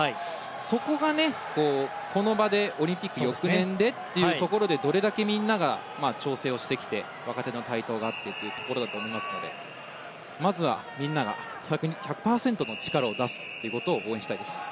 そこが、この場でオリンピック翌年というところでどれだけみんなが調整をしてきて若手の台頭がというところだと思いますのでまずは、みんなが１００％の力を出すことを応援したいですね。